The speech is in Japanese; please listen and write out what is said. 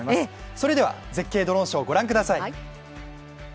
それでは絶景ドローンＳＨＯＷご覧ください。